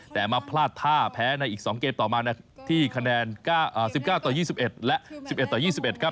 แต่มาพลาดท่าแพ้ในอีก๒เกมต่อมานะที่๑๙๒๑และ๑๑๒๑ครับ